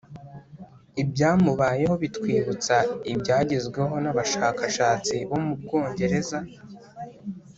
Ibyamubayeho bitwibutsa ibyagezweho n abashakashatsi bo mu Bwongereza